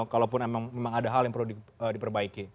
kalaupun memang ada hal yang perlu diperbaiki